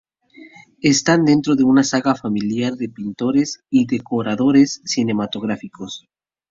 Está dentro de una saga familiar de pintores y decoradores cinematográficos.